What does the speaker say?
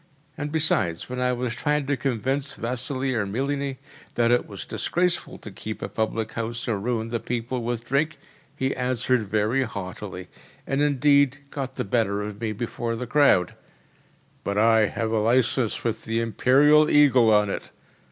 And, besides, when I was trying to convince Vasily Ermiline that it was disgraceful to keep a public house and ruin the people with drink, he answered very haughtily, and indeed got the better of me before the crowd: ‚ÄėBut I have a license with the Imperial eagle on it.